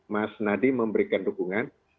mas nadi memberikan dukungan